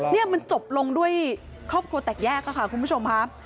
นี่มันจบลงด้วยครอบครัวแตกแยกค่ะคุณผู้ชมค่ะ